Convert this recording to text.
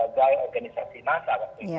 pegawai organisasi nasa waktu itu